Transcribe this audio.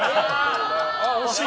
惜しい。